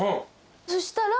そしたら。